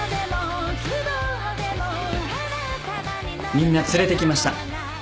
みんな連れてきました。